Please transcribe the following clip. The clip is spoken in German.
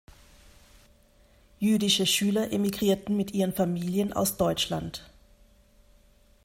Jüdische Schüler emigrierten mit ihren Familien aus Deutschland.